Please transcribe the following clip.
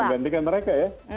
menggantikan mereka ya